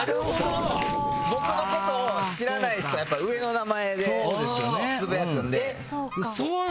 僕のことを知らない人は上の名前でつぶやくので。